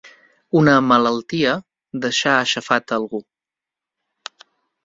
Una malaltia, deixar aixafat algú.